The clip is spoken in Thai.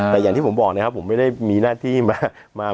แต่อย่างที่ผมบอกนะครับผมไม่ได้มีหน้าที่มา